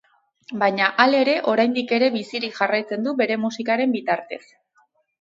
Baina, halere, oraindik ere bizirik jarraitzen du bere musikaren bitartez.